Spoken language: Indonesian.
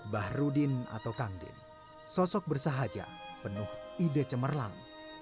bahrudin atau kang din sosok bersahaja penuh ide cemerlang